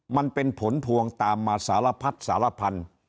มันเป็นผลพวงตามมาสารพัดสารพันธุ์